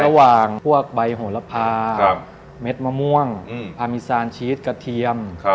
ระหว่างพวกใบโหระพาเม็ดมะม่วงพามิซานชีสกระเทียม